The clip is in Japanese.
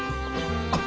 あっ。